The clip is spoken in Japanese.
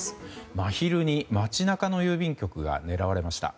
真昼に街中の郵便局が狙われました。